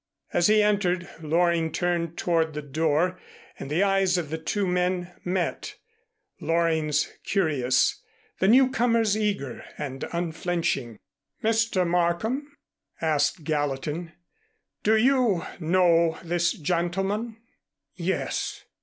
As he entered Loring turned toward the door and the eyes of the two men met, Loring's curious, the newcomer's eager and unflinching. "Mr. Markham," asked Gallatin, "do you know this gentleman?" "Yes.